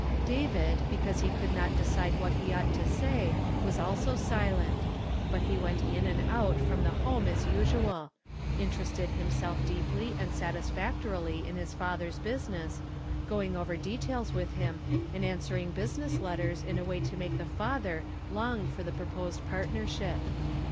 David, because he could not decide what he ought to say, was also silent ; but he went in and out from the home as usual ; interested himstlf deeply and satisfactorily in his father's business, going over details with him, and answering business letters in a way to make the father long for the proposed partnership.